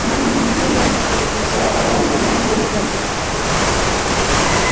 kubwa kama alivyosema wakili wa haki za binadamu Maria Julia